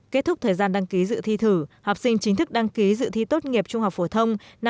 kết thúc thời gian đăng ký dự thi thử học sinh chính thức đăng ký dự thi tốt nghiệp trung học phổ thông năm hai nghìn hai mươi